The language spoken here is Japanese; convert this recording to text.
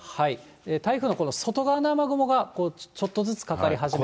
台風のこの外側の雨雲がちょっとずつかかり始めて。